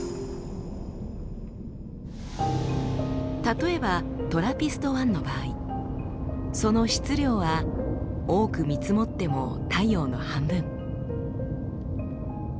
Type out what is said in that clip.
例えばトラピスト１の場合その質量は多く見積もっても太陽の半分。